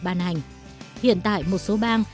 ban hành hiện tại một số bang